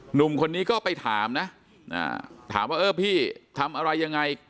หนุ่มคนนี้ก็ไปถามนะถามว่าเออพี่ทำอะไรยังไง